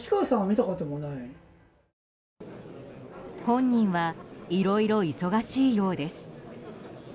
本人はいろいろ忙しいようです。